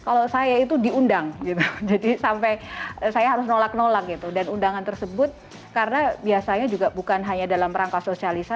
kalau saya itu diundang gitu jadi sampai saya harus nolak nolak gitu dan undangan tersebut karena biasanya juga bukan hanya dalam rangka sosial